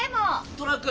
トラック